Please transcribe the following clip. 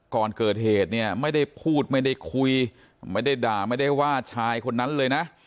ก่อนเกิดเหตุเนี่ยไม่ได้พูดไม่ได้คุยไม่ได้ด่าไม่ได้ว่าชายคนนั้นเลยนะ